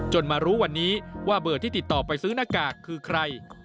มารู้วันนี้ว่าเบอร์ที่ติดต่อไปซื้อหน้ากากคือใคร